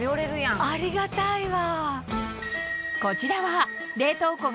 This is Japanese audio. ありがたいわ。